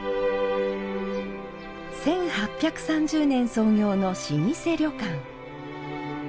１８３０年創業の老舗旅館。